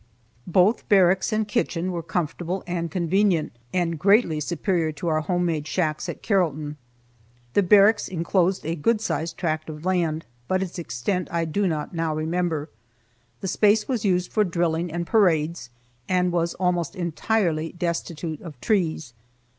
Both barracks and kitchen were comfortable and convenient, and greatly superior to our home made shacks at Carrollton. The barracks inclosed a good sized tract of land, but its extent I do not now remember. This space was used for drilling and parades, and was almost entirely destitute of trees.